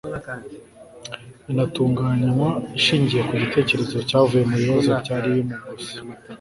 inatunganywa ishingiye ku gitekerezo cyavuye mu bibazo byari bimugose